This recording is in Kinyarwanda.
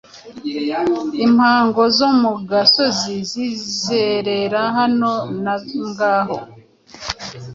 Impongo zo mu gasozi, zizerera hano na ngaho,